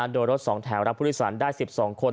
โดยรถ๒แถวรับผู้โดยสารได้๑๒คน